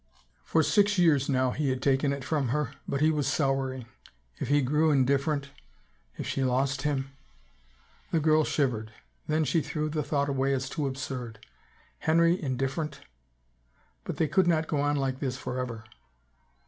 For six years now he had taken it from her, but he was souring ... if he grew indif ferent ... if she lost him! The girl shivered — then she threw the thought away as too absurd. Henry indif ferent !... But they could not go on like this forever.